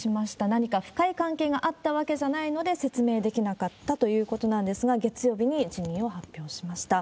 何か深い関係があったわけじゃないので、説明できなかったということなんですが、月曜日に辞任を発表しました。